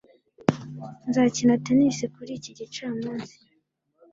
nzakina tennis kuri iki gicamunsi